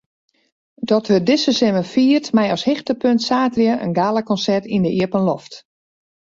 Dat wurdt dizze simmer fierd mei as hichtepunt saterdei in galakonsert yn de iepenloft.